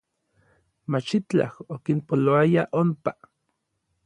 Machitlaj okinpoloaya onpa.